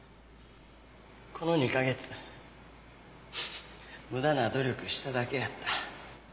この２カ月無駄な努力しただけやった。